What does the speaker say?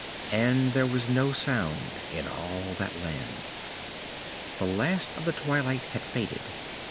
And there was no sound in all that land. The last of the twilight had faded.